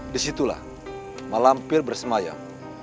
di situlah malam pir bersemayam